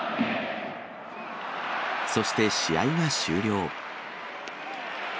そして試合が終了。